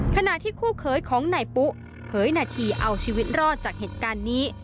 ขณะที่คู่เคยของนายปุ๊เคยนาทีเอาชีวิตรอดจากเหตุการณ์นี้